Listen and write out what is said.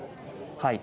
はい。